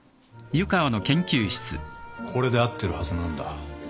これで合ってるはずなんだ。